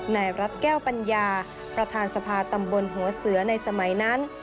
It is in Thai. นายรัฐแก้วปัญญาประธานสภาตำบลหัวเสือในสมัยนั้น